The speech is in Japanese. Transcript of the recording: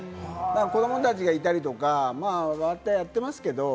子供たちがいたりとか、ああやってやってますけれども、